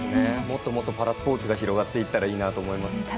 もっともっとパラスポーツが広がっていったらいいと思います。